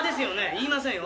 言いませんよ。